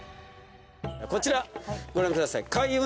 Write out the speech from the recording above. こちらご覧ください。